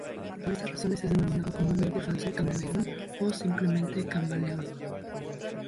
Por estas razones es denominado comúnmente falso camaleón, o simplemente camaleón.